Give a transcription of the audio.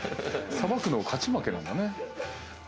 さばくのは勝ち負けなんだね。